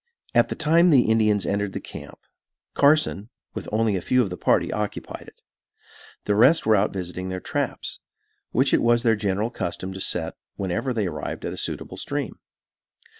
At the time the Indians entered the camp, Carson, with only a few of the party, occupied it; the rest were out visiting their traps, which it was their general custom to set whenever they arrived at a suitable stream.